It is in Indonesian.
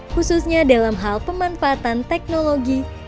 khususnya dalam hal pemanfaatan teknologi